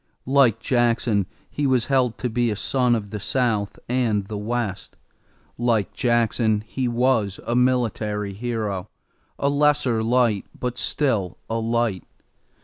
Like Jackson he was held to be a son of the South and the West. Like Jackson he was a military hero, a lesser light, but still a light.